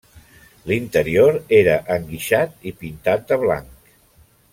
L'interior era enguixat i pintat de blanc.